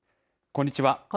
こんにちは。